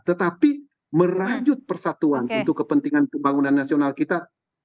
tetapi merajut persatuan untuk kepentingan pembangunan nasional kita